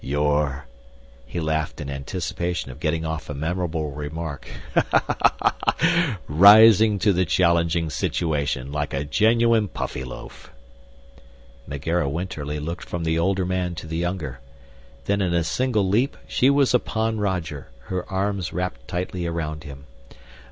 "You're" he laughed in anticipation of getting off a memorable remark "rising to the challenging situation like a genuine Puffyloaf." Megera Winterly looked from the older man to the younger. Then in a single leap she was upon Roger, her arms wrapped tightly around him.